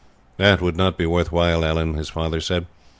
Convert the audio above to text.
"It would not be worth while, Allan," his father said.